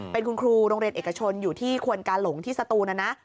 เป็นคุณครูโรงเรียนเอกชนอยู่ที่ควนกาหลงที่สตูนนะนะ